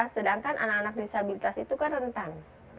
sedangkan anak anak disabilitas itu kan rentan